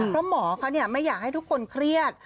เพราะหมอเขาไม่อยากให้ทุกคนเครียด